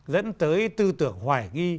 dẫn tới tư tưởng hoài nghi